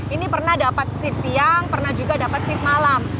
ini pernah dapat shift siang pernah juga dapat shift malam